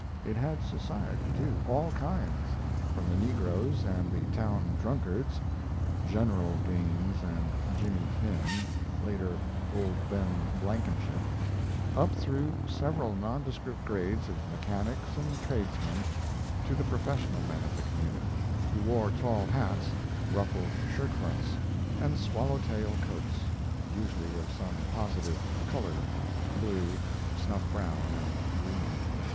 It had society, too all kinds from the negroes and the town drunkards ("General" Gaines and Jimmy Finn; later, Old Ben Blankenship) up through several nondescript grades of mechanics and tradesmen to the professional men of the community, who wore tall hats, ruffled shirt fronts, and swallow tail coats, usually of some positive color blue, snuff brown, and green.